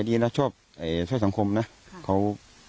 เรียร็ยหละ